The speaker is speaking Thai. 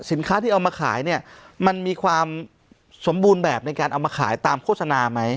ที่เอามาขายเนี่ยมันมีความสมบูรณ์แบบในการเอามาขายตามโฆษณาไหม